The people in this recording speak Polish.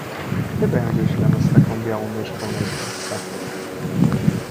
"Ty będziesz dla nas taką białą myszką, najdroższa."